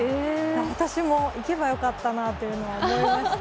私も行けばよかったなというふうには思いました。